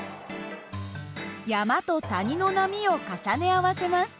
山と谷の波を重ね合わせます。